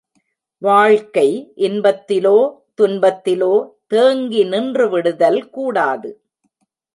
வாழ்க்கை இன்பத்திலோ, துன்பத்திலோ தேங்கி நின்று விடுதல் கூடாது.